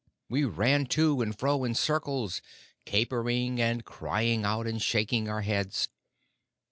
We ran to and fro in circles, capering and crying out and shaking our heads.